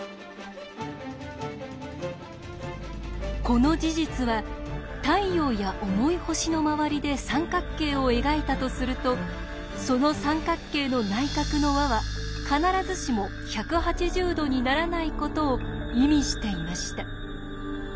この事実は太陽や重い星の周りで三角形を描いたとするとその三角形の内角の和は必ずしも１８０°にならないことを意味していました。